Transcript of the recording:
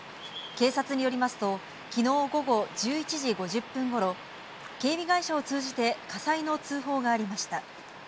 警察によりますと、きのう午後１１時５０分ごろ、警備会社を通じて火災の通報がありました。